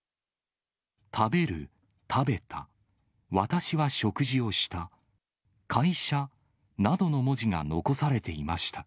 食べる、食べた、私は食事をした、会社などの文字が残されていました。